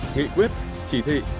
nghị quyết chỉ thị